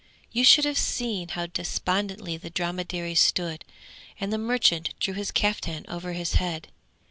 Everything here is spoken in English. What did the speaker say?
You should have seen how despondently the dromedaries stood, and the merchant drew his caftan over his head.